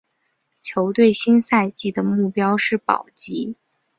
球队新赛季的目标是保级。